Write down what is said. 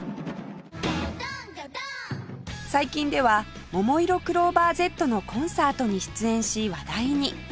最近ではももいろクローバー Ｚ のコンサートに出演し話題に